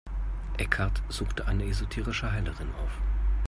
Eckhart suchte eine esoterische Heilerin auf.